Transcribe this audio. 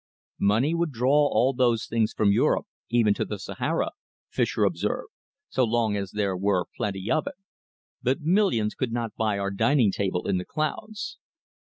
"Money would draw all those things from Europe even to the Sahara," Fischer observed, "so long as there were plenty of it. But millions could not buy our dining table in the clouds."